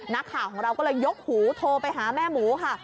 นักข่าวของเราก็เลยยกหูโทรไปหาแม่หมูค่ะ